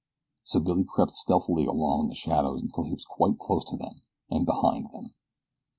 So Billy crept stealthily along in the shadows until he was quite close to them, and behind them.